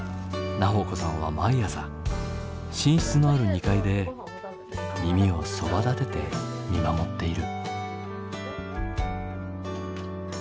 菜穂子さんは毎朝寝室のある２階で耳をそばだてて見守っている。